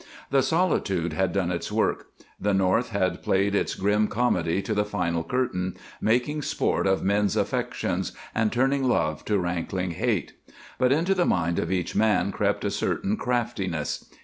The solitude had done its work; the North had played its grim comedy to the final curtain, making sport of men's affections and turning love to rankling hate. But into the mind of each man crept a certain craftiness.